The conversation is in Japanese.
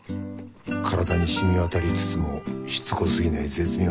体にしみわたりつつもしつこすぎない絶妙なスープ。